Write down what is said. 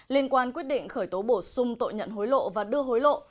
liên quan quyết định khởi tố bổ sung tội nhận hối lộ và đưa hối lộ